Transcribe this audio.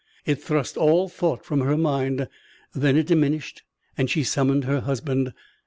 It thrust all thought from her mind. Then it diminished and she summoned her husband.